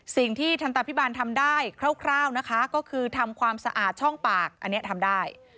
ทันตาพิบาลทำได้คร่าวนะคะก็คือทำความสะอาดช่องปากอันนี้ทำได้